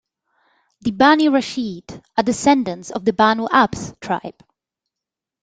The Bani Rasheed are descendants of the Banu Abs tribe.